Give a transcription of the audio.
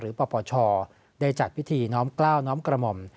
ปปชได้จัดพิธีน้อมกล้าวน้อมกระหม่อม